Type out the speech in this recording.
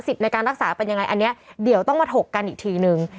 ในการรักษาเป็นยังไงอันนี้เดี๋ยวต้องมาถกกันอีกทีนึง